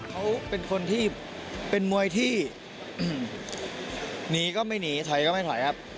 เขาเป็นคนที่เป็นมวยที่หนีก็ไม่หนีถอยก็ไม่ถอยครับ